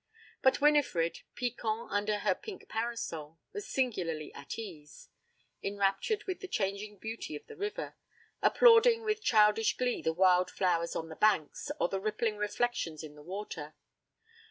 But Winifred, piquant under her pink parasol, was singularly at ease, enraptured with the changing beauty of the river, applauding with childish glee the wild flowers on the banks, or the rippling reflections in the water.